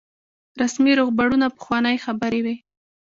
رسمي روغبړونه پخوانۍ خبرې وي.